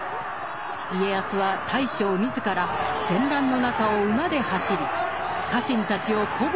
家康は大将自ら戦乱の中を馬で走り家臣たちを鼓舞した。